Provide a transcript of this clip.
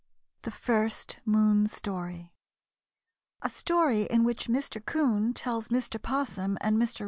THE FIRST MOON STORY A STORY IN WHICH MR. 'COON TELLS MR. 'POSSUM AND MR.